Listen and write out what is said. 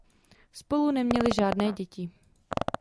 Spolu neměli žádné děti.